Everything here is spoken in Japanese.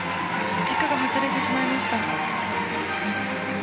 軸が外れてしまいました。